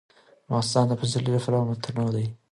افغانستان د پسرلی له پلوه متنوع دی.